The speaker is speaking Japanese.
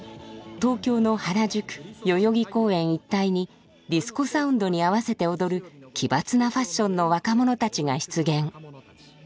東京の原宿代々木公園一帯にディスコサウンドに合わせて踊る奇抜なファッションの若者たちが出現。